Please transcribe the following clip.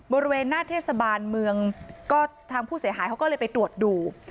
บริเวณหน้าเทศบาลเมืองก็ทางผู้เสียหายเขาก็เลยไปตรวจดู